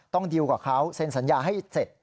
ดิวกับเขาเซ็นสัญญาให้เสร็จ